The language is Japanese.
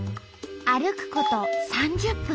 歩くこと３０分。